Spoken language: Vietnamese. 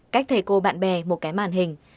cách thầy cô bạn bè một cái màn hình